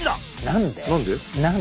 何で？